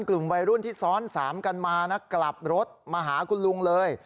กลุ่มวัยรุ่นที่ซ้อน๓กันมานะกลับรถมาหาคุณลุงเลย